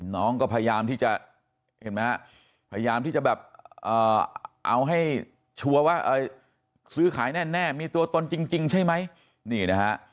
น้องก็พยายามที่จะแบบเอาให้ชัวร์ว่าซื้อขายแน่มีตัวตนจริงใช่ไหม